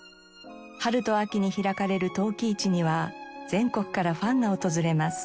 春と秋に開かれる陶器市には全国からファンが訪れます。